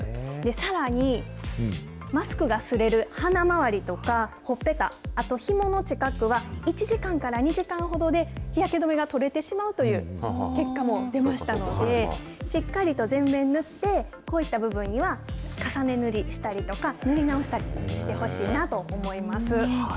さらに、マスクがすれる鼻周りとか、ほっぺた、あとひもの近くは、１時間から２時間ほどで日焼け止めが取れてしまうという結果も出ましたので、しっかりと全面塗って、こういった部分には、重ね塗りしたりとか、塗り直したりしてほしいなと思います。